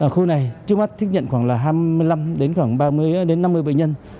khu này trước mắt thích nhận khoảng là hai mươi năm đến khoảng ba mươi đến năm mươi bệnh nhân